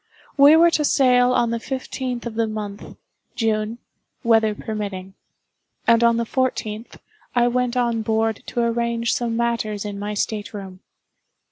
We were to sail on the fifteenth of the month (June), weather permitting; and on the fourteenth, I went on board to arrange some matters in my state room.